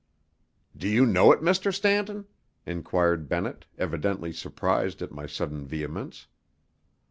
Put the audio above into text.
_" "Do you know it, Mr. Stanton?" enquired Bennett, evidently surprised at my sudden vehemence.